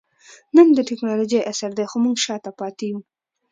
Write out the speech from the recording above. نن د ټکنالوجۍ عصر دئ؛ خو موږ شاته پاته يو.